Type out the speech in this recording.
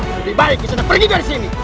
lebih baik kisah nak pergi dari sini